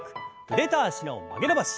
腕と脚の曲げ伸ばし。